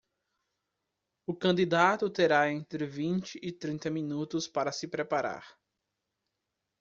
O candidato terá entre vinte e trinta minutos para se preparar.